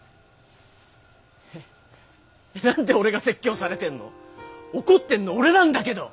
え何で俺が説教されてんの？怒ってんの俺なんだけど！